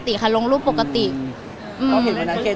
มันก็ยังลงรูปปกติกันเลย